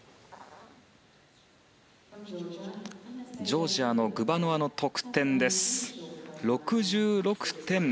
ジョージアのグバノワの得点は６６．８２。